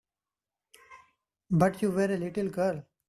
But you were a little girl.